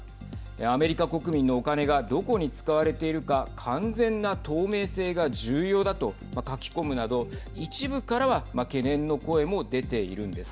アメリカ国民のお金がどこに使われているか完全な透明性が重要だと書き込むなど一部からは懸念の声も出ているんです。